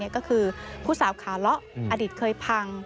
ก็คือผู้สาวขาเลาะอดีตเคยพัง